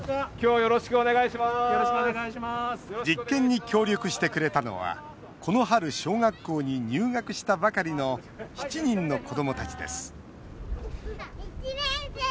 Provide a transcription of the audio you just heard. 実験に協力してくれたのはこの春小学校に入学したばかりの７人の子どもたちです